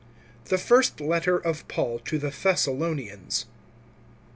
THE FIRST LETTER OF PAUL TO THE THESSALONIANS.